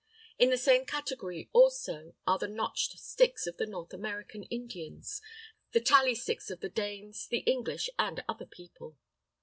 In the same category also are the notched sticks of the North American Indians, the tally sticks of the Danes, the English and other people.